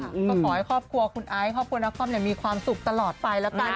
ขอให้ครอบครัวคุณไอ้ครอบครัวนักคอมเนี่ยมีความสุขตลอดไปละกัน